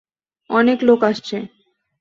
অনেক লোক আসছে।